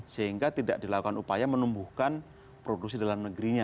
sehingga tidak dilakukan upaya menumbuhkan produksi dalam negerinya